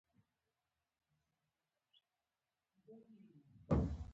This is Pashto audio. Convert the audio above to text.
پارلمان په ګټه پای ته ورسوله.